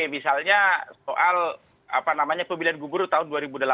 misalnya soal apa namanya pemilihan gugur tahun dua ribu delapan belas